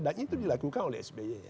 dan itu dilakukan oleh sby